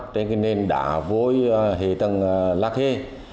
trên cái nền đá vôi hề tầng lạc hê